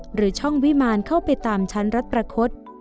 หรือช่องวิมารเข้าไปตามชั้นรัฐประคด